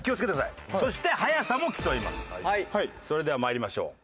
それでは参りましょう。